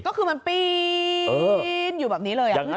ก็คือมันปีนอยู่แบบนี้เลย